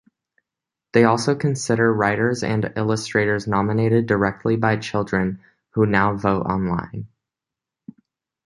They also consider writers and illustrators nominated directly by children, who now vote online.